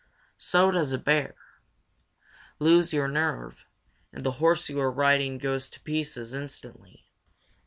So does a bear. Lose your nerve, and the horse you are riding goes to pieces instantly.